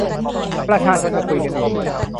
ประชาชนจะคุยกันเอง